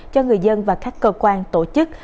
cho người dân và các cơ quan tổ chức